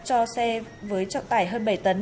cho xe với trọng tải hơn bảy tấn